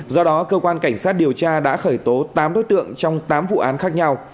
do đó cơ quan cảnh sát điều tra đã khởi tố tám đối tượng trong tám vụ án khác nhau